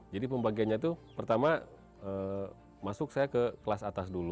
jadi pembagiannya tuh pertama masuk saya ke kelas atas dulu